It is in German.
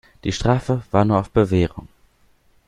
Die Strafe war nur auf Bewährung.